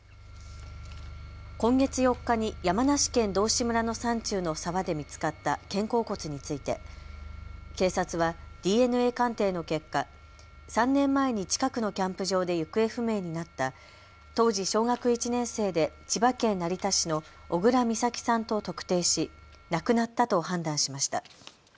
今月４日に山梨県道志村の山中の沢で見つかった肩甲骨について警察はＤＮＡ鑑定の結果、３年前に近くのキャンプ場で行方不明になった当時小学１年生で千葉県成田市の小倉美咲さんと特定し亡くなったと判断しました。